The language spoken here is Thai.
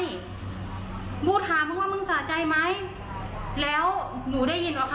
กูถามว่ามึงว่ามึงสะใจไหมแล้วหนูได้ยินอะค่ะ